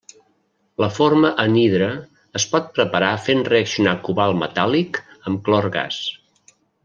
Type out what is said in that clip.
La forma anhidra es pot preparar fent reaccionar cobalt metàl·lic amb clor gas.